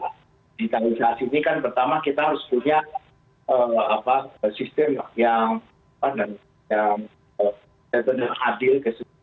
digitalisasi ini kan pertama kita harus punya sistem yang benar benar adil